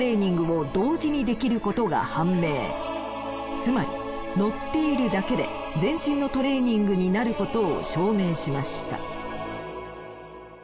つまり乗っているだけで全身のトレーニングになることを証明しました。